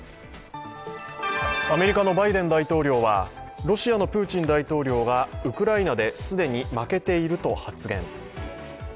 アメリカのバイデン大統領はロシアのプーチン大統領がウクライナで既に負けていると発言。